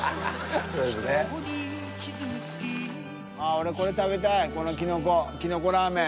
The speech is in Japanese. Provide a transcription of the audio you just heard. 俺これ食べたいこのキノコキノコラーメン。